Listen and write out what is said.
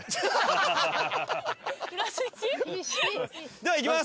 ではいきます。